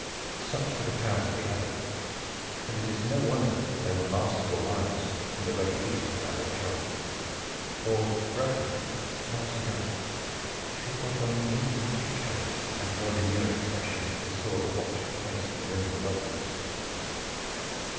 Such were the powers of the Abbot, and it is no wonder that there were masterful lines in the ruddy features of Abbot John, or that the brethren, glancing up, should put on an even meeker carriage and more demure expression as they saw the watchful face in the window above them.